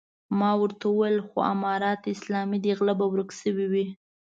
ما ورته وويل خو امارت اسلامي دی غله به ورک شوي وي.